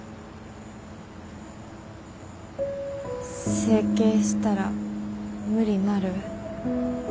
整形したら無理になる？